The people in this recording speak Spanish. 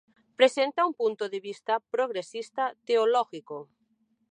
Presenta un punto de vista progresista teológico.